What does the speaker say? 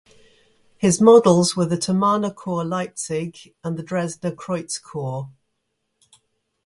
His models were the Thomanerchor Leipzig and the Dresdner Kreuzchor.